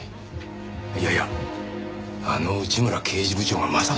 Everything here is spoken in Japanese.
いやいやあの内村刑事部長がまさかな。